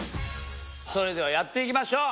それではやっていきましょう。